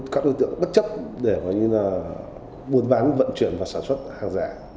các đối tượng bất chấp để mà như là buôn bán vận chuyển và sản xuất hàng rẻ